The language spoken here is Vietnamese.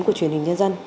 của truyền hình nhân dân